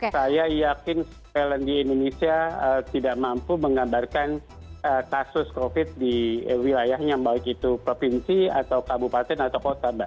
saya yakin thailand di indonesia tidak mampu menggambarkan kasus covid sembilan belas di wilayahnya baik itu provinsi kabupaten atau kota